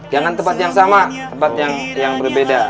jangan tempat yang sama tempat yang berbeda